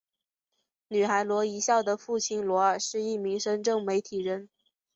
女孩罗一笑的父亲罗尔是一名深圳媒体人。